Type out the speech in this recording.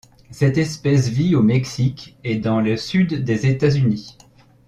Cette espèce vit au Mexique et dans le sud des États-Unis.